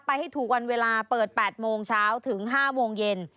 ให้ถูกวันเวลาเปิด๘โมงเช้าถึง๕โมงเย็น